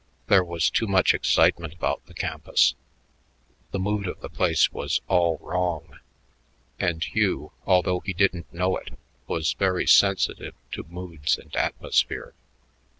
There was too much excitement about the campus; the mood of the place was all wrong, and Hugh, although he didn't know it, was very sensitive to moods and atmosphere.